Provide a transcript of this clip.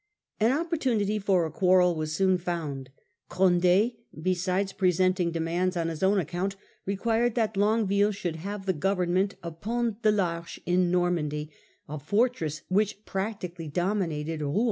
An opportunity for a quarrel was soon lound. Condd, besides presenting demands on his own account, required Quarrel of ^ at Longueville should have the government Concte with of Pont de 1 * Arche in Normandy, a fortress Mazann. which practically dominated Rouen.